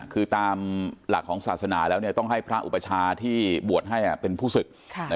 คือตามหลักของศาสนาแล้วต้องให้พระอุปชาที่บวชให้เป็นผู้ศึก